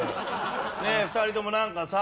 ねえ２人ともなんかさ。